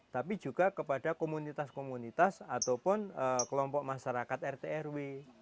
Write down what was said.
tapi juga kepada komunitas komunitas ataupun kelompok masyarakat rtrw